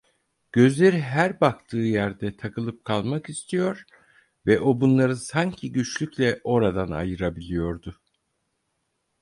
Gözleri her baktığı yerde takılıp kalmak istiyor ve o bunları sanki güçlükle oradan ayırabiliyordu.